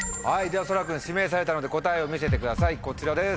そら君指名されたので答えを見せてくださいこちらです。